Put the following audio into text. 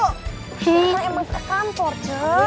karena emang ke kantor cek